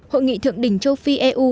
hội nghị thượng đỉnh châu phi eu